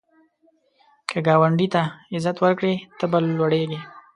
که ګاونډي ته عزت ورکړې، ته به لوړیږې